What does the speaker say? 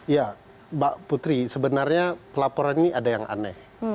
ya mbak putri sebenarnya pelaporan ini ada yang aneh